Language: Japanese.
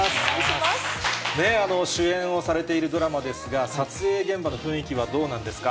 主演をされているドラマですが、撮影現場の雰囲気はどうなんですか。